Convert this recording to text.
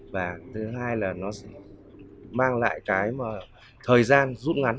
và thứ hai là nó mang lại cái thời gian rút ngắn